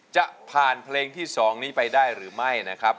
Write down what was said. จะผ่านเพลงที่๒นี้ไปได้หรือไม่นะครับ